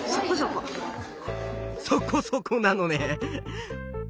そこそこなのね。